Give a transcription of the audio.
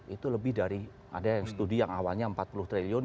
itu lebih dari ada yang studi yang awalnya empat puluh triliun